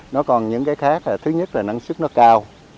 nó còn những cái khác là thứ nhất là năng sức nó cao